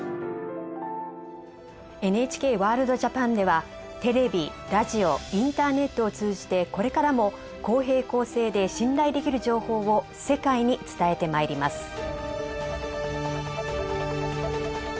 「ＮＨＫワールドＪＡＰＡＮ」ではテレビラジオインターネットを通じてこれからも公平・公正で信頼できる情報を世界に伝えてまいります。